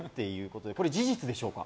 これは事実でしょうか？